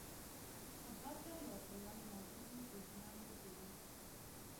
خو دا ځل یو پلان موجود و چې زیان وڅېړي.